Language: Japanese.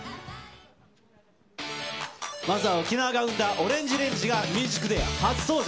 まずは、沖縄が生んだＯＲＡＮＧＥＲＡＮＧＥがＴＨＥＭＵＳＩＣＤＡＹ初登場。